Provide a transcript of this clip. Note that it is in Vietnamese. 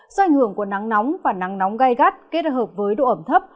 do ảnh hưởng của nắng nóng và nắng nóng gai gắt kết hợp với độ ẩm thấp